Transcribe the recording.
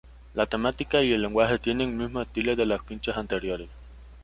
La temática y el lenguaje tienen el mismo estilo de las quince anteriores.